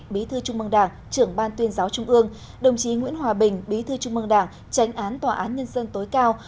bí thư trung mương đảng trưởng ban tuyên giáo trung ương đồng chí nguyễn hòa bình bí thư trung mương đảng tránh án tòa án nhân dân tối cao